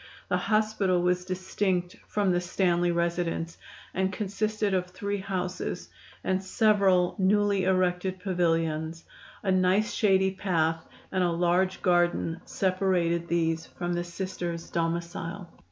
The "hospital" was distinct from the "Stanley residence" and consisted of three houses and several newly erected pavilions; a nice shady path and a large garden separated these from the Sisters' domicile.